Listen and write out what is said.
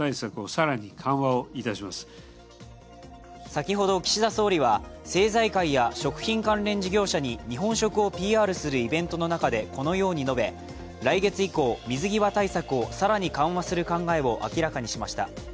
先ほど、岸田総理は政財界や食品関連事業者に日本食をＰＲするイベントの中でこのように述べ、来月以降、水際対策を更に緩和する考えを明らかにしました。